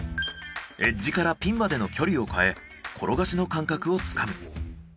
エッジからピンまでの距離を変え転がしの感覚をつかむ。